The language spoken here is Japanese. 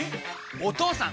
お義父さん！